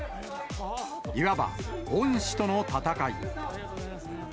いわば、恩師との戦い。